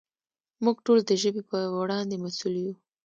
موږ ټول د ژبې په وړاندې مسؤل یو.